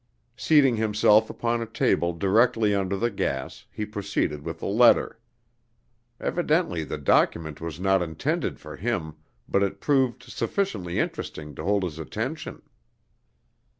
Seating himself upon a table directly under the gas, he proceeded with the letter. Evidently the document was not intended for him, but it proved sufficiently interesting to hold his attention.